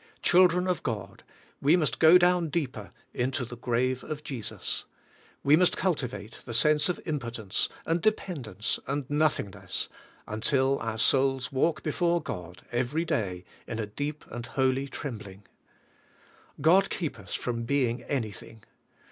Children of God, we must go down deeper into the grave of Jesus. We must cultivate the sense of impotence, and dependence, and nothingness, until our souls walk before God every day in a deep and holy trembling. God keep us from being anything.